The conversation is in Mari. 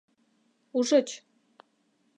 — Ужыч.